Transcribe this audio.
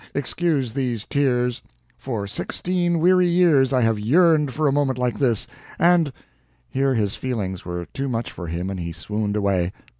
Excuse these tears. For sixteen weary years I have yearned for a moment like this, and " Here his feelings were too much for him, and he swooned away.